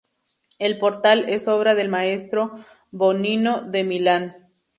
El portal es obra del maestro Bonino de Milán.